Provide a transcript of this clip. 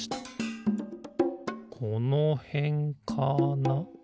このへんかな？